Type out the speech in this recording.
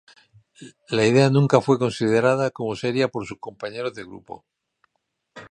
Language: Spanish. La idea nunca fue considerada como seria por sus compañeros de grupo.